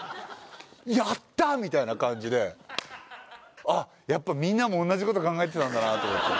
やった！みたいな感じでやっぱみんなもおんなじこと考えてたんだなと思って。